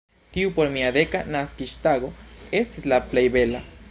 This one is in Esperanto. Tiu por mia deka naskiĝtago estis la plej bela.